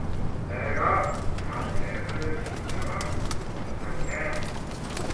내가 자네의 어르신네와 동창이네.